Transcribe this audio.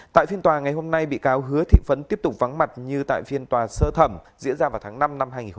tại phiên tòa ngày hôm nay bị cáo hứa thị phấn tiếp tục vắng mặt như tại phiên tòa sơ thẩm diễn ra vào tháng năm năm hai nghìn hai mươi ba